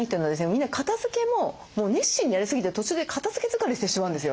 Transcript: みんな片づけも熱心にやりすぎて途中で片づけ疲れしてしまうんですよ